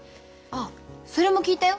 あそれも聞いたよ。